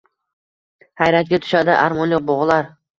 Hayratga tushadi armonli bog’lar.